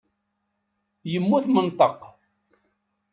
Yemmut menṭeq.